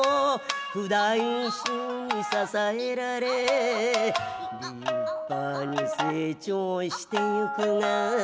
「譜代衆に支えられ」「立派に成長して行くが」